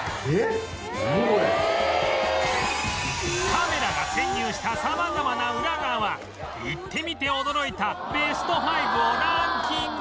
カメラが潜入した様々なウラ側行ってみて驚いたベスト５をランキング